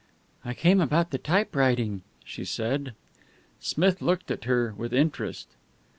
"I came about the typewriting," she said. Smith looked at her with interest.